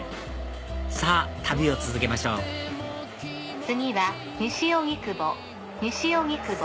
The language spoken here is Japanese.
さぁ旅を続けましょう次は西荻窪西荻窪。